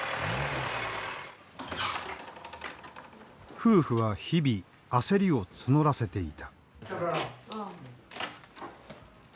夫婦は日々焦りを募らせていた。